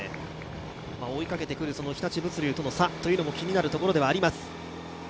追いかけてくる日立物流との差というのも気になるところではあります。